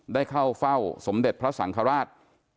ได้เข้าเฝ้าสมเด็จพระสังฆราช